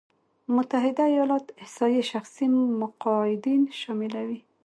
متحده ایالات احصایې شخصي مقاعدين شاملوي.